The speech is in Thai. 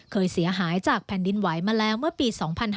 เคยเสียหายจากแผ่นดินไหวมาแล้วเมื่อปี๒๕๕๙